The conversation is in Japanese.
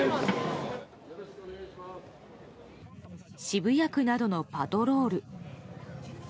渋谷区などのパトロール。